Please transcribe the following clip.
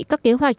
các kế hoạch